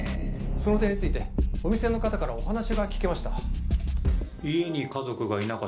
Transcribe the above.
その点についてお店の方からお話が聞けました。